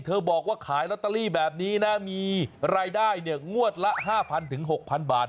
บอกว่าขายลอตเตอรี่แบบนี้นะมีรายได้งวดละ๕๐๐๖๐๐บาท